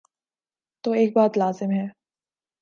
تو ایک بات لازم ہے۔